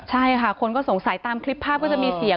ใช่ค่ะคนก็สงสัยตามคลิปภาพก็จะมีเสียง